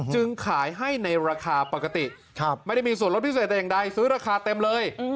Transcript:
จึงขายให้ในราคาปกติไม่ได้มีส่วนลดพิเศษแต่อย่างใดซื้อราคาเต็มเลย